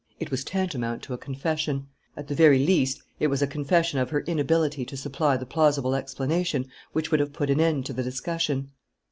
It was tantamount to a confession. At the very least, it was a confession of her inability to supply the plausible explanation which would have put an end to the discussion.